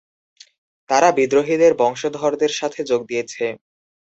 তারা বিদ্রোহীদের বংশধরদের সাথে যোগ দিয়েছে।